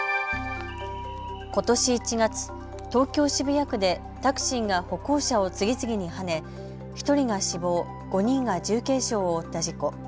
ことし１月、東京渋谷区でタクシーが歩行者を次々にはね１人が死亡、５人が重軽傷を負った事故。